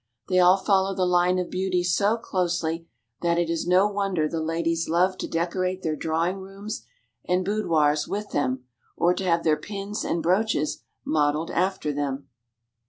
They all follow the line cf beauty so closely that it is no wonder the ladies love to decorate their drawing rooms and boudoirs with them, or to have their pins and brooches modelled after them.